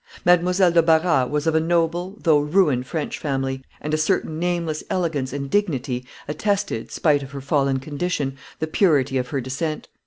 Mademoiselle de Barras was of a noble though ruined French family, and a certain nameless elegance and dignity attested, spite of her fallen condition, the purity of her descent.